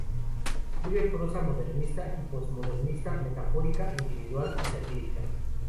Escribe prosa modernista y post-modernista, metafórica, individual y satírica.